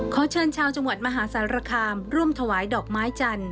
ขอเชิญชาวจังหวัดมหาสารคามร่วมถวายดอกไม้จันทร์